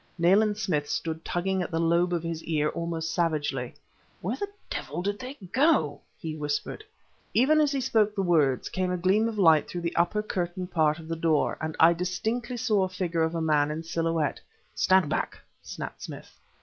Nayland Smith stood tugging at the lobe of his ear almost savagely. "Where the devil do they go?" he whispered. Even as he spoke the words, came a gleam of light through the upper curtained part of the door, and I distinctly saw the figure of a man in silhouette. "Stand back!" snapped Smith.